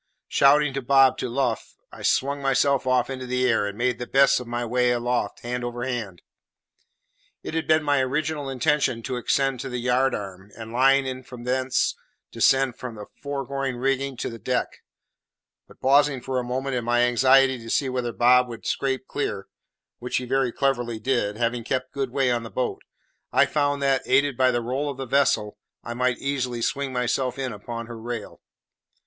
Shouting to Bob to luff, I swung myself off into the air, and made the best of my way aloft hand over hand. It had been my original intention to ascend to the yard arm, and, laying in from thence, descend the fore rigging to the deck; but, pausing for a moment, in my anxiety to see whether Bob would scrape clear which he very cleverly did, having kept good way on the boat I found that, aided by the roll of the vessel, I might easily swing myself in upon her rail.